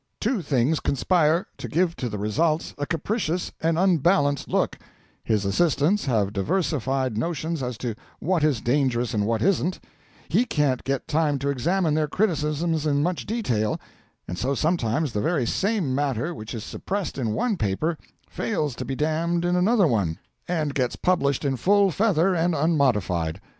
Two things conspire to give to the results a capricious and unbalanced look: his assistants have diversified notions as to what is dangerous and what isn't; he can't get time to examine their criticisms in much detail; and so sometimes the very same matter which is suppressed in one paper fails to be damned in another one, and gets published in full feather and unmodified.